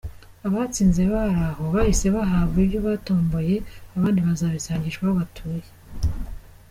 Abatsinze bari aho bahise bahabwa ibyo batomboye abandi bazabisangishwa aho batuye.